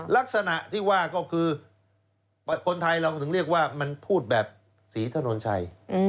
ลักษณะที่ว่าก็คือคนไทยเราถึงเรียกว่ามันพูดแบบศรีถนนชัย